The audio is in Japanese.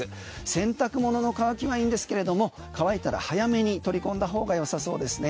洗濯物の乾きはいいんですけれども乾いたら早めに取り込んだほうがよさそうですね。